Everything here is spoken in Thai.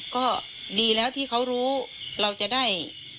ก็ดีแล้วที่เขารู้เราจะได้